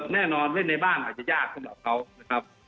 แน่นอนเล่นในบ้านอาจจะยากสำหรับเขานะครับ